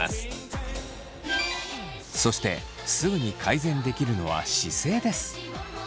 そしてすぐに改善できるのは姿勢です。